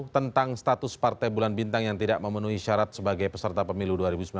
tentang status partai bulan bintang yang tidak memenuhi syarat sebagai peserta pemilu dua ribu sembilan belas